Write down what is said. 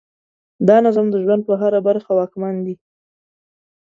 دا نظم د ژوند په هره برخه واکمن دی.